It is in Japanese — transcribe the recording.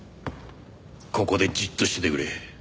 ここでじっとしててくれ。